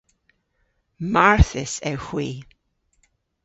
Marthys ewgh hwi.